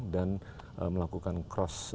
dan melakukan cross